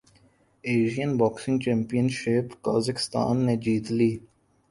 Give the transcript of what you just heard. Asian boxing championship Kazakhstan نے جیت لی